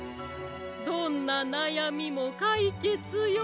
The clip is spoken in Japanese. どんななやみもかいけつよ。